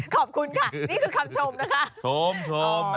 ขอบคุณค่ะนี่คือคำชมนะคะ